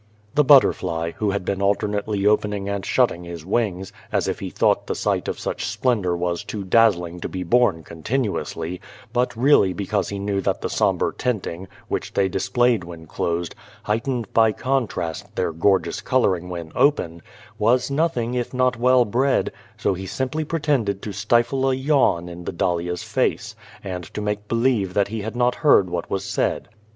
" The butterfly, who had been alternately opening and shutting his wings, as if he thought the sight of such splendour was too dazzling to be borne continuously, but really because he knew that the sombre tinting, which they displayed when closed, heightened, by contrast, their gorgeous colouring when open, was nothing if not well bred, so he simply pretended to stifle a yawn in the dahlia's face, and to make believe that he had not heard what was said.